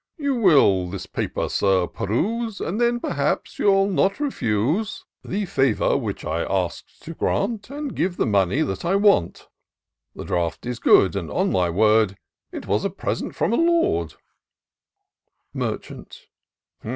219 " You will this paper, Sir, peruse ; And then, perhaps, you'll not refuse The favour which I ask to grant. And give the money that I want ; The draft is good — and, on my word, It was a present from a lord," Merchant.